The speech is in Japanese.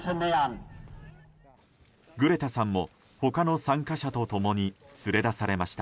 グレタさんも他の参加者と共に連れ出されました。